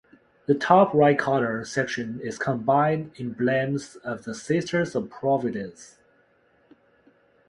The top right corner section is combined emblems of the Sisters of Providence.